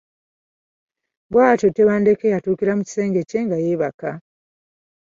Bw’atyo Tebandeke yatuukira mu kisenge kye nga yeebaka.